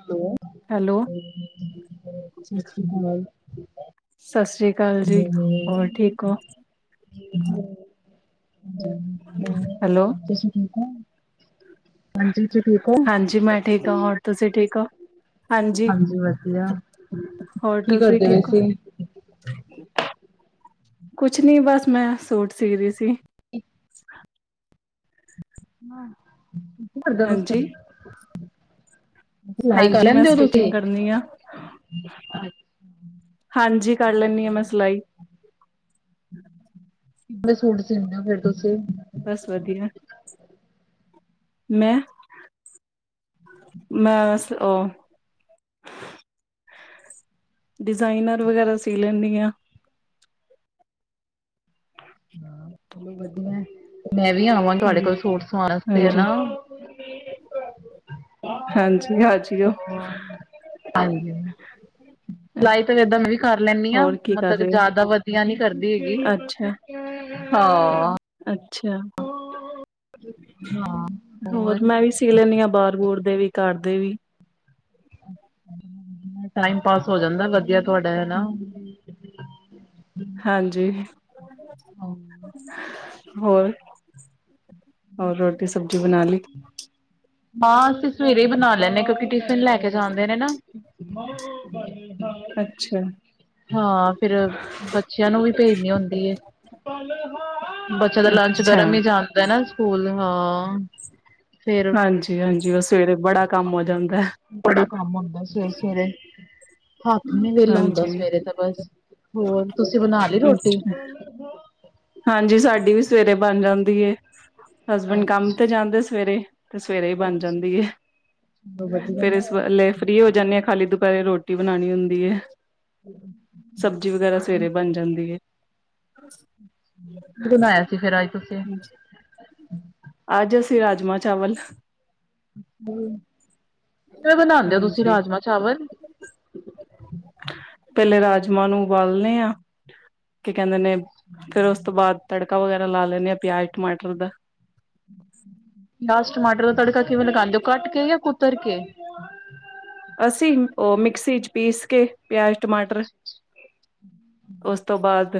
Hello hello ਸਸ੍ਰੀ ਕਾਲ ਸਸ੍ਰੀ ਕਾਲ ਜੀ ਹੋਰ ਠੀਕ ਓ ਹੈਲੋ [unintelligible] ਤੁਸੀ ਠੀਕ ਓ ਹਾਂਜੀ ਤੁਸੀ [unintelligible] ਠੀਕ ਓ ਹਾਂਜੀ ਮੈਂ ਠੀਕ ਆਂ ਹੋਰ ਤੁਸੀਂ ਠੀਕ ਓ ਹਾਂਜੀ ਹੋਰ ਕੀ ਤੁਸੀ ਕਰਦੇ ਪਏ ਠੀਕ ਓ ਸੀ? ਕੁਛ ਨੀ ਬਸ ਮੈਂ ਸੂਟ ਸੀ ਰੀ ਸੀ ਇੱਕ [unintelligible] ਹਾਂ ਮਦਰ ਹਾਂਜੀ ਵਾਸਤੇ। [unintelligible] ਹਾਂਜੀ ਮੈਂ ਸਟਿਚਿੰਗ ਕਰਨੀ ਆ ਹਾਂਜੀ ਕਰ ਲੈਨੀ ਆਂ ਮੈਂ ਕਿੰਨੇ ਸਿਲਾਈ ਕਿਵੇਂ ਸੂਟ ਸੀਦੇਂ ਹੋ ਫਿਰ ਤੁਸੀਂ ਬਸ ਵਧੀਆ ਮੈਂ ਮੈਂ ਸ ਉਹ ਡਿਜ਼ਾਇਨਰ ਵਗੈਰਾ ਸੀ ਲੈਨੀ ਆਂ ਚਲੋ ਵਧੀਆ ਐ ਮੈਂ ਵੀ ਆਵਾਂ ਤੁਹਾਡੇ ਕੋਲ ਹਾਂਜੀ ਸੂਟ ਸਵਾਉਣ ਵਾਸਤੇ ਹਾਂਜੀ ਹਨਾ [unintelligible] ਹਾਂਜੀ ਆ ਜੀਓ ਹਾਂਜੀ ਸਿਲਾਈ ਤਾਂ ਏਦਾਂ ਮੈਂ ਵੀ ਕਰ ਲੈਨੀ ਆਂ ਹੋਰ ਕੀ ਕਰ ਮਦਦ ਰਹੇ ਹੋ ਜਿਆਦਾ ਵਧੀਆ ਨੀ ਕਰਦੀ ਹੈਗੀ ਅੱਛਾ ਹਾਂ ਅੱਛਾ ਹੋਰ ਮੈਂਵੀ ਸੀ ਲੈਂਨੀ ਆਂ ਬਾਹਰ ਬੁਰ ਦੇ ਵੀ ਘਰਦੇ ਵੀ ਟਾਈਮ ਪਾਸ ਹੋ ਜਾਂਦਾ ਵਧੀਆ ਤੁਹਾਡਾ ਹੈਨਾ ਹਾਂਜੀ ਹਾਂ। ਹੋਰ ਹੋਰ ਰੋਟੀ ਸਬਜ਼ੀ ਬਣਾ ਲੀ ਹਾਂ ਅਸੀਂ ਸਵੇਰੇ ਹੀ ਬਣਾ ਲਏ ਨੇ ਕਿਉਂਕਿ ਟਿਫਿਨ ਲੈ ਕੇ ਜਾਂਦੇ ਨੇ ਨਾ ਅੱਛਾ ਹਾਂ ਫਿਰ ਬੱਚਿਆਂ ਨੂੰ ਵੀ ਭੇਜਨੀ ਹੁੰਦੀ ਏ ਬੱਚਿਆਂ ਦਾ ਲੰਚ ਅੱਛਾ ਗਰਮ ਹੀ ਜਾ ਐ ਨਾ ਸਕੂਲ ਹਾਂ ਫੇਰ ਜੀ ਹਾਂਜੀ ਉਹ ਸਵੇਰੇ ਬੜਾ ਕੰਮ ਹੋ ਜਾਂਦਾ ਐ ਬੜਾ ਕੰਮ ਹੁੰਦਾ ਸਵੇਰੇ-ਸਵੇਰੇ ਹੱਥ ਨੀ ਵੇਲਾ ਹੁੰਦਾ ਹਾਂਜੀ ਸਵੇਰੇ ਤਾਂ ਬਸ ਹੋਰ ਤੁਸੀਂ ਬਣਾ ਲੀ ਰੋਟੀ ਅੱਛਾ ਹਾਂਜੀ ਸਾਡੀ ਵੀ ਸਵੇਰੇ ਬਣ ਜਾਂਦੀ ਏ ਹਸਬੈਂਡ ਕੰਮ ਅੱਛਾ ਤੇ ਜਾਂਦੇ ਸਵੇਰੇ ਤੇ ਸਵੇਰੇ ਹੀ ਬਣ ਅੱਛਾ ਜਾਂਦੀ ਏ ਚਲੋ ਵਧੀਆ ਫੇਰ ਇਸ ਕੀ ਵੈਲੈ ਫ੍ਰਿਰੀ ਹੋ ਜਾਂਦੇ ਹਾਂ ਖਾਲੀ ਦੁਪਹਿਰੇ ਰੋਟੀ ਬਣਾਣੀ ਹੁੰਦੀ ਏ ਸਬਜ਼ੀ ਵਗੈਰਾ ਸਵੇਰੇ ਬਣ ਜਾਂਦੀ ਏ ਅ [inaudible] ਕਿ [unintelligible] ਬਣਾਇਆ ਸੀ ਫਿਰ ਅਜ ਤੁਸੀਂ ਅੱਜ ਅਸੀਂ ਰਾਜਮਾਂ ਚਾਵਲ ਵੇਂ ਬਣਾਂਦੇ ਓ ਤੁਸੀਂ ਹਾਂਜੀ ਰਾਜਮ ਚਾਵਲ ਪਹਿਲੇ ਰਾਜਮਾਂ ਨੂੰ ਉਬਾਲਨੇ ਆ ਕੀ ਕਹਿੰਦੇ ਨੇ ਫੇਰ ਉਸ ਤੋਂ ਬਾਅਦ ਤੜਕਾ ਵਗੈਰਾ ਲਾ ਲੈਨੇ ਆਂ ਪਿਆਜ ਟਮਾਟਰ ਦਾ ਲਾਸ ਟਮਾਟਰ ਦਾ ਤੜਕਾ ਕਿਵੇਂ ਲਗਾਉਂਦੇ ਓ ਕੱਟ ਕੇ ਯਾ ਕੁਤਰ ਕੇ ਅਸੀਂ, ਉਹ ਮਿਕਸੀ ਚ ਪੀਸ ਕੇ, ਪਿਆਜ, ਟਮਾਟਰ ਉਸ ਤੋਂ ਬਾਅਦ,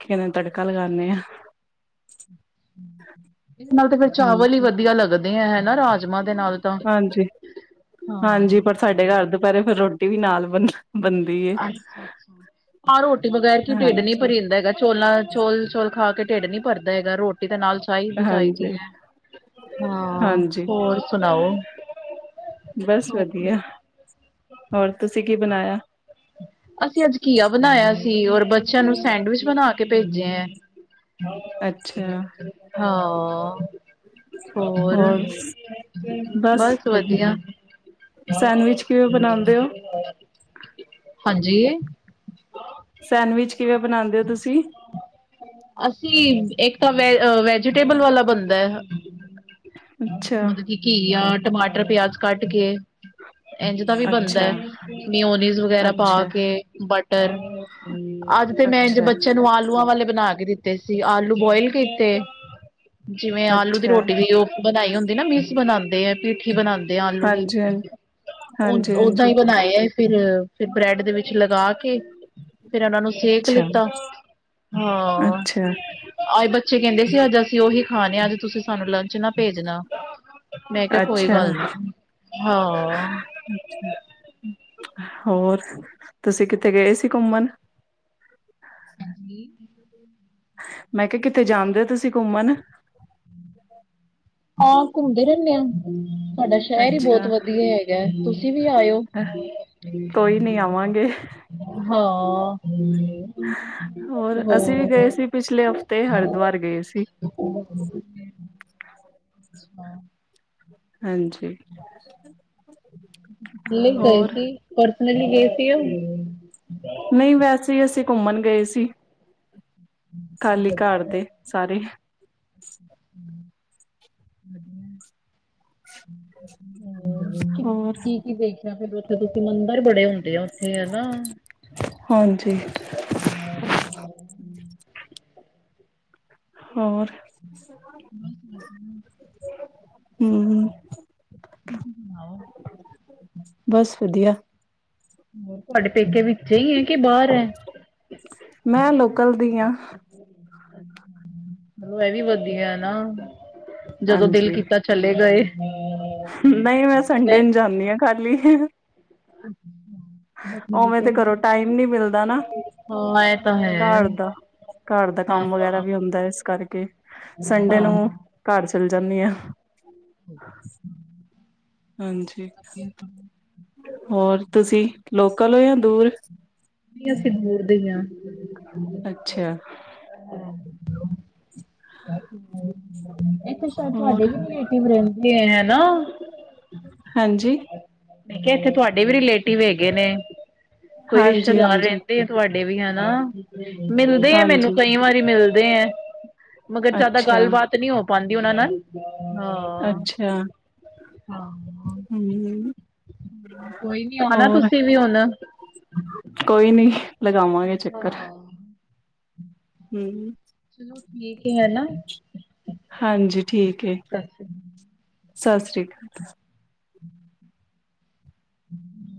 ਕਿਵੇਂ ਤੜਕਾ ਲਗਾਨੇ ਹਾਂ। ਇਸ ਨਾਲ ਤੇ ਫਿਰ ਚਾਵਲ ਹੀ ਹਾਂਜੀ ਵੱਧੀਆ ਲੱਗਦੇ ਆ, ਹੈਨਾ। ਰਾਜ ਰਾਜਮਾਂ ਦੇ ਨਾਲ ਤਾਂ, ਹਾਂਜੀ ਹਾਂ। ਹਾਂਜੀ ਪਰ ਸਾਡੇ ਘਰ ਦੁਪਹਿਰੇ, ਫੇਰ ਰੋਟੀ ਵੀ ਨਾਲ ਬਣ ਬਣਦੀ ਏ ਅੱਛਾ- ਅੱਛਾ, ਹਾਂ, ਰੋਟੀ ਵਗੈਰ ਕਿ ਢਿੱਡ ਨੀ ਹਾਂਜੀ ਭਰੀਂਦਾ ਹੈਗਾ। ਚੋਲਾਂ ਚੋਲ, ਚੋਲ ਖਾ ਕੇ ਢਿੱਡ ਨੀ ਭਰਦਾ ਹੈਗਾ, ਰੋਟੀ ਦੇ ਨਾਲ ਚਾਹੀਦੀ- ਚਾਹੀਦੀ ਹਾਂਜੀ ਹੈ, ਹਾਂ, ਹਾਂਜੀ ਹੋਰ ਸੁਣਾਓ? ਬਸ ਵੱਧੀਆ। ਹੋਰ, ਤੁਸੀਂ ਕੀ ਬਣਾਇਆ? [unintelligible] ਅਸੀਂ ਅੱਜ ਘੀਆ ਬਣਾਇਆ ਸੀ, ਔਰ ਬੱਚਿਆਂ ਨੂੰ ਸੈਂਡਵਿਚ ਬਣਾ ਕੇ ਭੇਜੇ ਹੈ। ਅੱਛਾ ਹਾਂ। ਹੋਰ, ਬਸ ਵੱਧੀਆ। [inaudible] ਸੈਂਡਵਿਚ ਕਿਵੇਂ ਬਣਾਉਂਦੇ ਹੋ ਹਾਂਜੀ। ਸੈਂਡਵਿਚ ਕਿਵੇਂ ਬਣਾਉਂਦੇ ਹੋ ਤੁਸੀਂ? ਅਸੀਂ, ਇੱਕ ਤਾਂ ਵ- ਵੈਜੀਟੇਬਲ ਵਾਲਾ ਬਣਦਾ ਹੈ, ਮਤਲਬ ਅੱਛਾ ਕੀ, ਘੀਆ ਟਮਾਟਰ ਪਿਆਜ ਕੱਟ ਕੇ ਇੰਝ ਦਾ ਵੀ ਬਣਦਾ ਅੱਛਾ ਹੈ, ਮਿਓਨੀ ਵਗੈਰਾ ਪਾ ਅੱਛਾ ਕੇ, ਬਟਰ, ਅੱਜ ਤੇ ਮੈਂ ਇੰਝ ਅੱਛਾ ਬੱਚਿਆਂ ਨੂੰ ਆਲੂਆਂ ਵਾਲੇ ਬਣਾ ਕੇ ਦਿੱਤੇ। ਤੇ ਅਸੀ ਆਲੂ ਬੋਇਲ ਕੀਤੇ, ਜਿਵੇਂ ਆਲੂ ਦੀ ਅੱਛਾ ਰੋਟੀ, ਉਹ ਬਣਾਈ ਹੁੰਦੀ ਨਾ, ਮੀਕਸ ਬਣਾਉਂਦੇ ਹੈ, ਪਿੱਠੀ ਬਣਾਉਂਦੇ ਤੇ ਆਲੂ ਦੀ, ਹਾਂਜੀ ਹਾਂਜੀ ਹਾਂਜੀ ਓ-ਓਦਾਂ ਹਾਂਜੀ ਹੀ ਬਣਾਏ। ਫਿਰ, ਫਿਰ ਬਰੈਡ ਦੇ ਵਿੱਚ ਲਗਾ ਕੇ ਫਿਰ ਉਹਨਾਂ ਨੂੰ ਸੇਕ ਅੱਛਾ ਲਿੱਤਾ, ਹਾਂ। ਅੱਛਾ ਅੱਜ ਬੱਚੇ ਕਹਿੰਦੇ ਸੀ, ਅੱਜ ਅਸੀਂ ਉਹੀ ਖਾਣੇ, ਅੱਜ ਤੁਸੀਂ ਸਾਨੂੰ ਲੰਚ ਨਾ ਭੇਜਣਾ। ਮੈਂ ਕਿਹਾ ਕੋਈ ਅੱਛਾ, ਗੱਲ ਨੀ, ਹਾਂ। ਅੱਛਾ। ਹੋਰ, ਤੁਸੀਂ ਕਿੱਥੇ ਗਏ ਸੀ ਘੁੰਮਣ? ਮੈਂ ਕਿਹਾ, ਕਿੱਥੇ ਜਾਂਦੇ ਹੋ ਤੁਸੀਂ ਘੁੰਮਣ? ਹਾਂ, ਘੁੰਮਦੇ ਰਹਿੰਦੇ ਆ। ਸਾਡਾ ਸ਼ਹਿਰ ਹੀ ਬਹੁਤ ਅੱਛਾ, ਵਧੀਆ ਹੈਗਾ, ਤੁਸੀਂ ਵੀ ਆਇਓ। ਘੁੰਮਾਂਗੇ। ਹਾਂ। ਹੋਰ, ਅਸੀਂ ਵੀ ਗਏ ਹੋਰ ਸੀ ਪਿਛਲੇ ਹਫ਼ਤੇ, ਹਰਿਦੁਆਰ ਗਏ ਸੀ। [inaudible] ਹਾਂ। ਹਾਂਜੀ। ਗਏ ਹੋਰ ਸੀ, ਪਰਸਨਲੀ ਗਏ ਸੀ, ਉਹ ਨਹੀਂ, ਵੈਸੇ ਹੀ ਅਸੀਂ ਘੁੰਮਣ ਗਏ ਸੀ। ਖਾਲੀ ਵਧੀਆ। ਘਰ ਦੇ ਸਾਰੇ ਹਾਂਜੀ। ਹੂੰ, ਹੋਰ ਕੀ -ਕੀ ਦੇਖਿਆ ਫਿਰ ਉਥੇ ਤੁਸੀਂ? ਮੰਦਿਰ ਬੜੇ ਹੁੰਦੇ ਆ ਉੱਥੇ, ਹਨਾ। ਹਾਂਜੀ। ਹੋਰ। ਬਸ ਵਧੀਆ। ਹਮ। [unintelligible] [inaudible] ਬਸ ਵਧੀਆ। ਤੁਹਾਡੇ ਪੇਕੇ ਵਿੱਚੇ ਈ ਐ ਕੇ ਬਾਹਰ ਐ। ਮੈਂ ਲੋਕਲ ਦੀ ਆ ਇਹ ਵੀ ਵਧੀਐ ਨਾ ਜਦੋਂ ਦਿਲ ਹਾਂਜੀ ਕੀਤਾ ਚਲੇ ਗਏ। ਨਹੀਂ ਮੈਂ ਸੰਡੇ ਨੂੰ ਜਾਂਨੀ ਆਂ ਖਾਲੀ। ਅੱਛਾ। ਉਵੇਂ ਤੇ ਘਰੋਂ ਟਾਈਮ ਨੀ ਮਿਲਦਾ ਨਾ ਹਾਂ ਇਹ ਤਾਂ ਹੈ। ਘਰ ਦਾ ਘਰ ਦਾ ਹਾਂ ਕੰਮ ਵਗੈਰਾ ਹਾਂ ਵੀ ਹੁੰਦੈ ਇਸ ਕਰਕੇ ਤੇ ਸੰਡੇ ਹਾਂ ਨੂੰ ਘਰ ਚੱਲ ਜਾਂਨੀ ਆਂ। [inaudible] ਹਾਂਜੀ ਹੋਰ ਤੁਸੀਂ ਲੋਕਲ ਹੋ ਯਾ ਦੂਰ। ਨਈ ਅਸੀ ਦੂਰ ਦੇ ਈ ਆਂ। ਅੱਛਾ। ਐ ਤੇ ਸ਼ਾਇਦ ਤੁਹਾਡੇ ਹੋਰ ਵੀ ਨੀ ਏ। ਰਹਿੰਦੇ ਐ ਨਾ। ਹਾਂਜੀ। ਮੈਂ ਕਿਹਾ ਏਥੇ ਤੁਹਾਡੇ ਵੀ ਰਿਲੇਟਿਵ ਹੈਗੇ ਨੇ, ਕੋਈ ਹਾਂਜੀ ਰਿਸ਼ਤੇਦਾਰ ਹਾਂਜੀ ਰਹਿੰਦੇ ਤੁਹਾਡੇ ਵੀ ਹੈਨਾ। ਮਿਲਦੇ ਐ ਮੈਨੂੰ ਹਾਂਜੀ ਕਈ ਵਾਰੀ ਮਿਲਦੇ ਐ। ਮਗਰ ਜਾਦਾ ਅੱਛਾ ਗੱਲਬਾਤ ਨੀ ਹੋ ਪਾਂਦੀ ਓਨਾਂ ਨਾਲ। ਹਾਂ। ਹਾਂ। ਹੂੰ। ਕੋਈ ਨੀ ਆਣਾ ਹੋਰ। ਤੁਸੀਂ ਵੀ ਹੁਣ ਕੋਈ ਨੀ, ਲਗਾਵਾਂਗੇ ਚੱਕਰ। ਹੂੰ। ਚਲੋ ਠੀਕ ਏ ਐ ਨਾ। ਹਾਂਜੀ ਠੀਕ ਏ ਸਤ ਸ੍ਰੀ ਸਤਿ ਸ੍ਰੀ ਅਕਾਲ।